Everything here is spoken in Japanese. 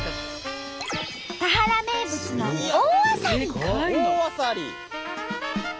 田原名物の大あさり！